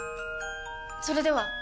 それでは！